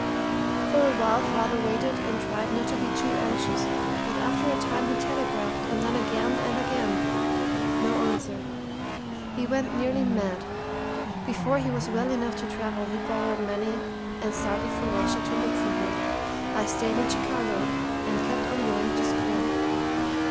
"For a while father waited and tried not to be too anxious; but after a time he telegraphed, and then again and again. No answer. He went nearly mad. Before he was well enough to travel he borrowed money and started for Russia to look for her. I stayed in Chicago and kept on going to school.